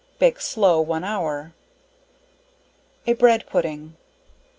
bake slow 1 hour. A Bread Pudding.